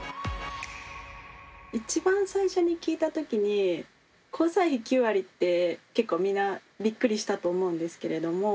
一番最初に聞いた時に交際費９割って結構みんなびっくりしたと思うんですけれども。